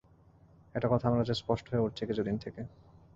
একটা কথা আমার কাছে স্পষ্ট হয়ে উঠছে কিছুদিন থেকে।